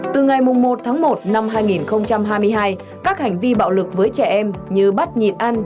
từ ngày một tháng một năm hai nghìn hai mươi hai các hành vi bạo lực với trẻ em như bắt nhịp ăn